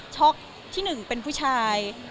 ช็อคที่หนึ่งเป็นผู้ชาย